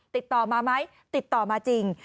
ติดต่อมาไหมติดต่อมาจริง